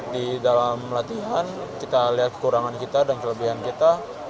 di dalam latihan kita lihat kekurangan kita dan kelebihan kita